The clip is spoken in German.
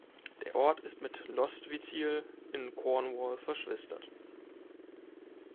Der Ort ist mit Lostwithiel in Cornwall verschwistert.